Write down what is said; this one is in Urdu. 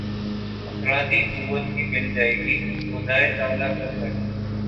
افرادی قوت بھی مل جائے گی خدائے تعالیٰ کا گھر